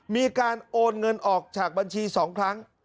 มีการโอนเงินออกจากบัญชี๒ครั้ง